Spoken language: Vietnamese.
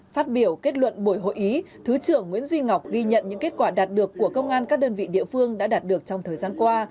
phát biểu kết luận buổi hội ý thứ trưởng nguyễn duy ngọc ghi nhận những kết quả đạt được của công an các đơn vị địa phương đã đạt được trong thời gian qua